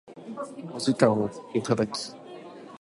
お時間をいただき